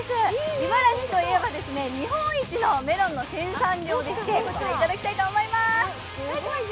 茨城といえば日本一のメロンの生産量でしてこちら、いただきたいと思います。